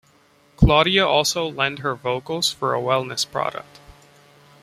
Claudia also lend her vocals for a wellness product.